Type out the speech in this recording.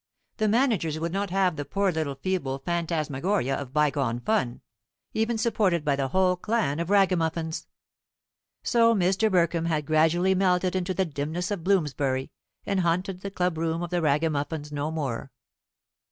The managers would not have the poor little feeble phantasmagoria of bygone fun, even supported by the whole clan of Ragamuffins. So Mr. Burkham had gradually melted into the dimness of Bloomsbury, and haunted the club room of the Ragamuffins no more.